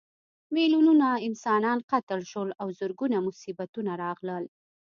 میلیونونه انسانان قتل شول او زرګونه مصیبتونه راغلل.